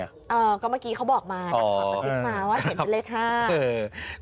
เออก็เมื่อกี้เขาบอกมาถึงภาพปศิษย์มาว่าเห็นเป็นเลข๕